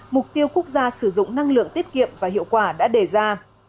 mục tiêu quốc gia sử dụng năng lượng tiết kiệm và hiệu quả đã đề ra